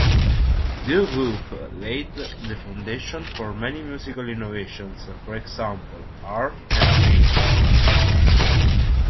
Doo-wop laid the foundation for many musical innovations, for example, R and B.